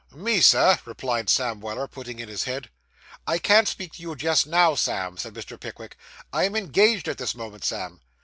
'Me, Sir,' replied Sam Weller, putting in his head. 'I can't speak to you just now, Sam,' said Mr. Pickwick. 'I am engaged at this moment, Sam.